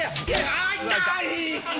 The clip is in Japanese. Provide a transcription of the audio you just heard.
あ痛い。